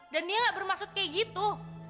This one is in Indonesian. dia gak bermaksud kayak gitu